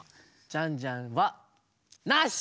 ジャンジャンはなし！